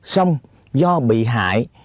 xong do bị hại